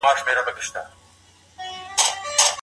ما په کنفرانس کي د پښتو د راتلونکي په اړه وینا وکړه.